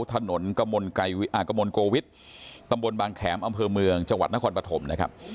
ถนนกระมวลโกวิทย์ตำบลบางแขมอำเภอเมืองจังหวัดนครปฐมนะครับ